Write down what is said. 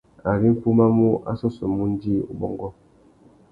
Ari nʼfumamú, a sôssômú undjï, ubôngô.